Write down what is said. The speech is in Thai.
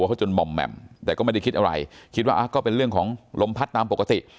เขาจนหม่อมแหม่มแต่ก็ไม่ได้คิดอะไรคิดว่าก็เป็นเรื่องของลมพัดตามปกติ